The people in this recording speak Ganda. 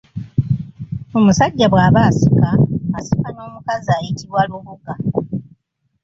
Omusajja bwaba asika, asika n’omukazi ayitibwa Lubuga.